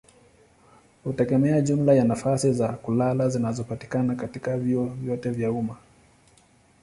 hutegemea jumla ya nafasi za kulala zinazopatikana katika vyuo vyote vya umma.